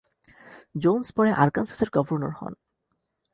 Jones পরে আরকানসাসের governor হন।